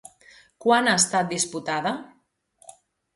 Quan ha estat diputada?